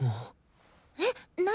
えっ何？